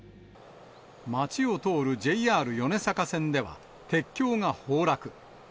町を通るＪＲ米坂線では、鉄橋が崩落。